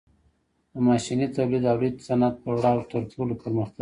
د ماشیني تولید او لوی صنعت پړاو تر ټولو پرمختللی دی